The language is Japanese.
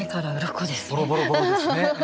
ボロボロボロですね。